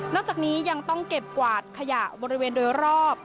จากนี้ยังต้องเก็บกวาดขยะบริเวณโดยรอบ